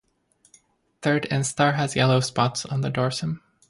Third instar has yellow spots on the dorsum.